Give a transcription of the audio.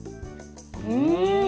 うん！